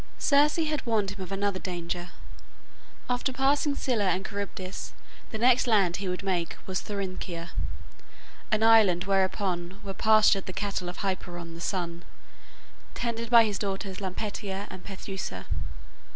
Circe had warned him of another danger. After passing Scylla and Charybdis the next land he would make was Thrinakia, an island whereon were pastured the cattle of Hyperion, the Sun, tended by his daughters Lampetia and Phaethusa.